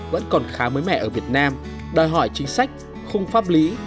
vẫn còn khá mới mẻ ở việt nam đòi hỏi chính sách khung pháp lý